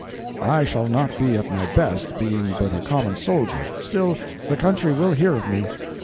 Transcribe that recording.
"I shall not be at my best, being but a common soldier; still, the country will hear of me.